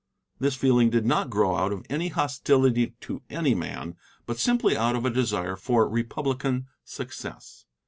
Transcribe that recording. This feeling did not grow out of any hostility to any man, but simply out of a desire for Republican success.